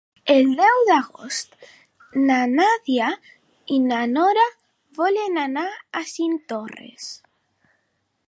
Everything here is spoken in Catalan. El deu d'agost na Nàdia i na Nora volen anar a Cinctorres.